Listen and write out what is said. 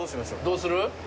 どうする？